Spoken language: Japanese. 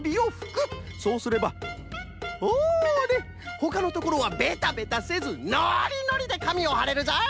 そうすればほれほかのところはベタベタせずノリノリでかみをはれるぞい！